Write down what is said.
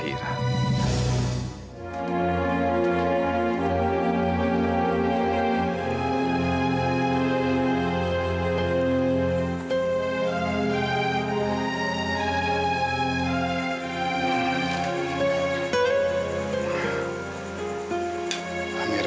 tolak ajakan zaira